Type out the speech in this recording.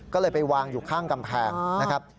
ก็เลยไปวางอยู่ข้างกำแพง